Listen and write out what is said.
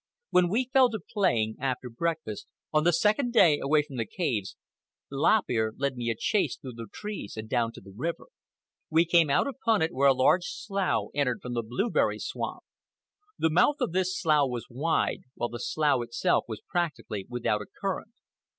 When we fell to playing, after breakfast, on the second day away from the caves, Lop Ear led me a chase through the trees and down to the river. We came out upon it where a large slough entered from the blueberry swamp. The mouth of this slough was wide, while the slough itself was practically without a current.